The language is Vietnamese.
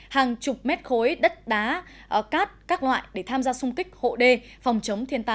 hàng chục mét khối đất đá cát các loại để tham gia xung kích hộ đê phòng chống thiên tai tìm kiếm cứu nạn